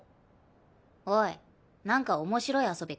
おい何か面白い遊び考えろ。